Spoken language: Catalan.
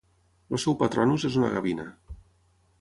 El seu patronus és una gavina.